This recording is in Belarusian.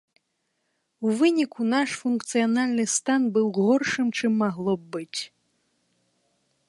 У выніку наш функцыянальны стан быў горшым, чым магло б быць.